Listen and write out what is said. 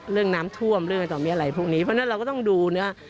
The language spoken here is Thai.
เรื่องน้ำท่วมเรื่องอะไรต่อมีอะไรพวกนี้เพราะฉะนั้นเราก็ต้องดูเนื้อ